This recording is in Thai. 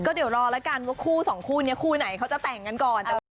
เดี๋ยวรอแล้วกันว่าคู่สองคู่นี้คู่ไหนเขาจะแต่งกันก่อน